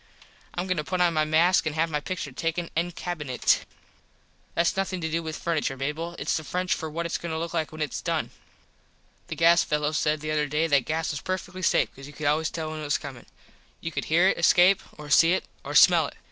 Im goin to put on my mask an have my pictur took en cabinet. Thats nothin to do with furniture, Mable. Its the French for what its goin to look like when its done. The gas fello said the other day that gas was perfectly safe cause you could always tell when it was comin. You could hear it escape or see it or smell it.